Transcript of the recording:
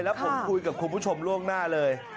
แล้วผมคุยกับคุณผู้ชมล่วงหน้าเลย